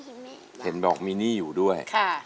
เห็นบอกมีหนี้อยู่ด้วยค่ะ